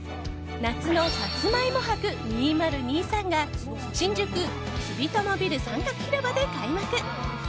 夏のさつまいも博２０２３が新宿住友ビル三角広場で開幕。